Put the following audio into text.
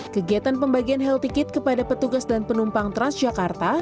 kegiatan pembagian health ticket kepada petugas dan penumpang transjakarta